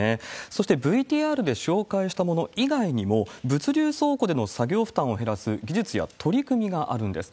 そして、ＶＴＲで紹介したもの以外にも、物流倉庫での作業負担を減らす技術や取り組みがあるんです。